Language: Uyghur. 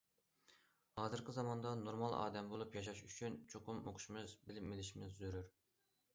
ھازىرقى زاماندا نورمال ئادەم بولۇپ ياشاش ئۈچۈن، چوقۇم ئوقۇشىمىز، بىلىم ئېلىشىمىز زۆرۈر.